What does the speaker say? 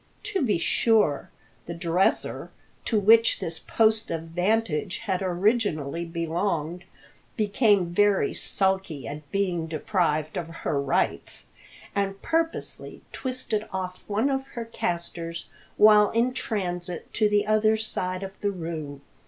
To be sure, the dresser, to which this post of vantage had originally belonged, became very sulky at being deprived of her rights, and purposely twisted off one of her castors while in transit to the other side of the room.